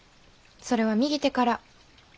それは右手から。